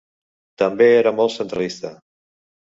També era molt centralista.